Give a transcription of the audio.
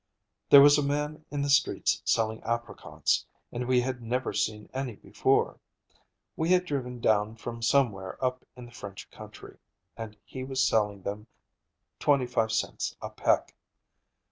There was a man in the streets selling apricots, and we had never seen any before. He had driven down from somewhere up in the French country, and he was selling them twenty five cents a peck.